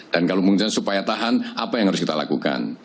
dan kalau mungkin supaya tahan apa yang harus kita lakukan